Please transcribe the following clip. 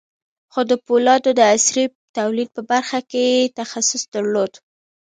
خو د پولادو د عصري توليد په برخه کې يې تخصص درلود.